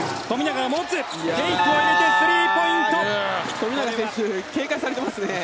富永選手警戒されていますね。